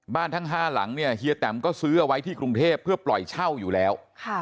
ทั้ง๕หลังเนี่ยเฮียแตมก็ซื้อเอาไว้ที่กรุงเทพเพื่อปล่อยเช่าอยู่แล้ว